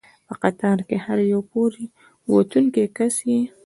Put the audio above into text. په قطار کې هر یو پورې ووتونکی کس یې.